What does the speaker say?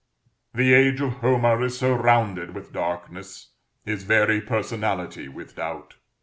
The age of Homer is surrounded with darkness, his very personality with doubt.